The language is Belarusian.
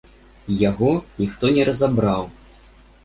Яго ніхто не разабраў.